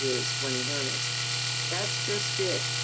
17 his when in earnest ;" that's just it.